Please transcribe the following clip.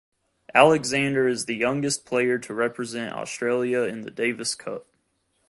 Alexander is the youngest player to represent Australia in the Davis Cup.